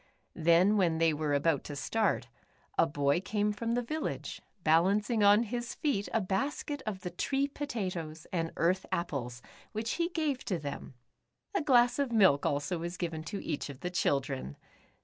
Then, when they w^ere about to start, a boy came from the village, balancing on his feet a basket of the tree potatoes, and earth apples, w^hich he gave to them. A glass of milk also was given to each of the children.